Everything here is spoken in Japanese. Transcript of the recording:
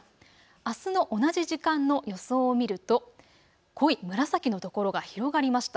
あすの同じ時間の予想を見ると濃い紫の所が広がりました。